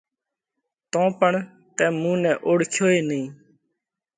تو پڻ تئين مُون نئہ اوۯکيو ئي نئين۔